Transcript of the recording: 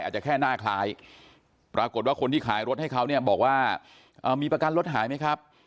อาจจะแค่หน้าคล้ายปรากฏว่าคนที่ขายรถให้เขาเนี่ยบอกว่ามีประกันรถหายไหมครับ